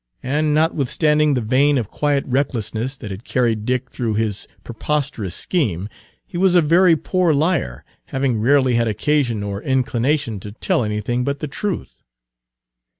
And notwithstanding the vein of quiet recklessness that had carried Dick through his preposterous scheme, he was a very poor liar, having rarely had occasion or inclination to tell anything but the truth.